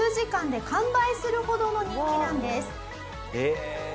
へえ！